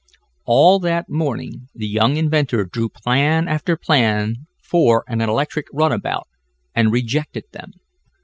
All that morning the young inventor drew plan after plan for an electric runabout, and rejected them.